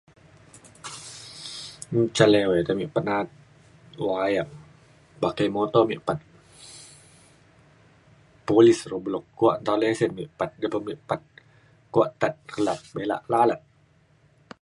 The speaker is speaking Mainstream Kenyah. un ca lewai te mek pat na'at wayang pakai motor mek pat polis roadblock kuak taun lesen mek pat ya pe mek pat kuak tat kelap belak lalat.